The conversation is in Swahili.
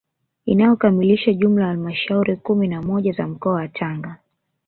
Inayokamilisha jumla ya halmashauri kumi na moja za mkoa wa Tanga